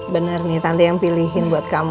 bener nih tante yang pilihin buat kamu